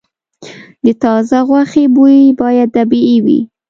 د تازه غوښې بوی باید طبیعي وي.